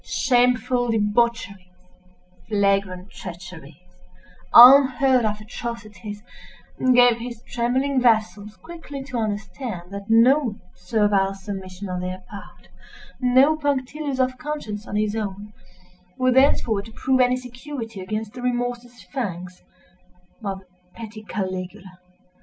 Shameful debaucheries—flagrant treacheries—unheard of atrocities—gave his trembling vassals quickly to understand that no servile submission on their part—no punctilios of conscience on his own—were thenceforward to prove any security against the remorseless fangs of a petty Caligula.